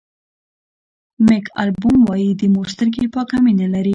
مېک البوم وایي د مور سترګې پاکه مینه لري.